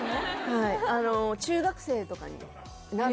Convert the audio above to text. はい